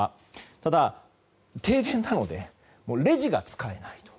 ただ、停電なのでレジが使えないと。